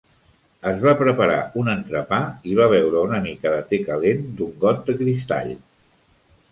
Es va preparar un entrepà i va beure una mica de te calent d'un got de cristall.